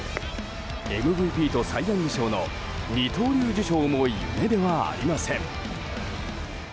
ＭＶＰとサイ・ヤング賞の二刀流受賞も夢ではありません。